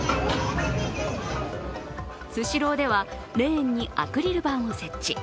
スシローではレーンにアクリル板を設置。